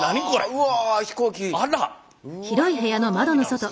うわ！